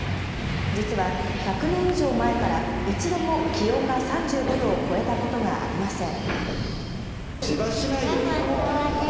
実は１００年以上前から一度も気温が３５度を超えたことがありません。